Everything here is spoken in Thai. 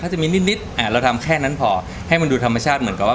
ถ้าจะมีนิดนิดอ่าเราทำแค่นั้นพอให้มันดูธรรมชาติเหมือนกับว่า